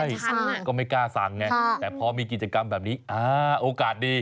ใช่ก็ไม่กล้าสั่งไงแต่พอมีกิจกรรมแบบนี้อ่าโอกาสดี